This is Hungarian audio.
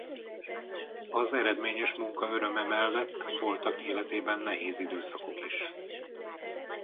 Az eredményes munka öröme mellett voltak életében nehéz időszakok is.